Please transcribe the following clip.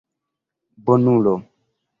bonulo